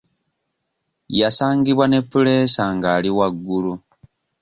Yasangibwa ne puleesa ng'ali waggulu.